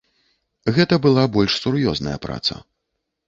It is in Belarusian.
Гэта была больш сур'ёзная праца.